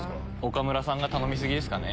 岡村さんが頼み過ぎですかね。